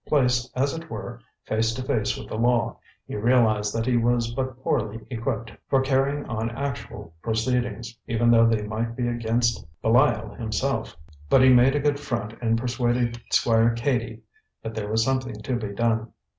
Placed, as it were, face to face with the law, he realized that he was but poorly equipped for carrying on actual proceedings, even though they might be against Belial himself; but he made a good front and persuaded Squire Cady that there was something to be done.